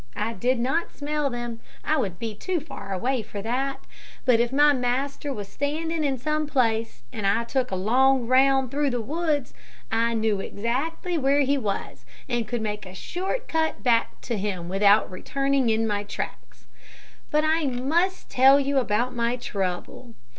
I did not smell them. I would be too far away for that, but if my master was standing in some place and I took a long round through the woods, I knew exactly where he was, and could make a short cut back to him without returning in my tracks. "But I must tell you about my trouble.